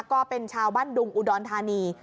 ก็เป็นชาวบ้านดุงอุดรธานี